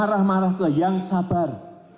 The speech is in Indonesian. marah marah ke yang sabar